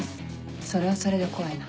それはそれで怖いな。